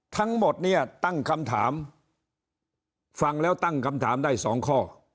ทั้งหมดเนี่ยตั้งคำถามฟังแล้วตั้งคำถามได้สองข้อ